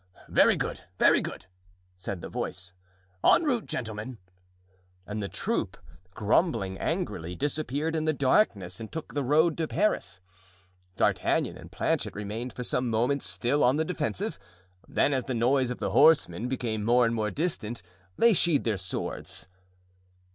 "Very good, very good," said the voice. "En route, gentlemen." And the troop, grumbling angrily, disappeared in the darkness and took the road to Paris. D'Artagnan and Planchet remained for some moments still on the defensive; then, as the noise of the horsemen became more and more distant, they sheathed their swords.